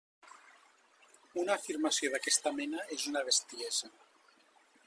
Una afirmació d'aquesta mena és una bestiesa.